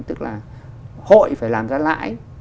tức là hội phải làm ra lãi